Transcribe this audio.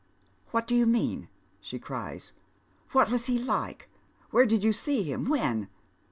"What do you mean?" she cries. "What was he like? Where did you see him? When?